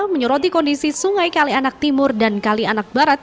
menyoroti kondisi sungai kalianak timur dan kalianak barat